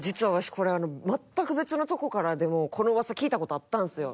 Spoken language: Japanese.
これ全く別のとこからでもこの噂聞いた事あったんですよ。